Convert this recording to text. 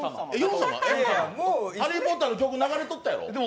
「ハリー・ポッター」の曲、流れとったやろ？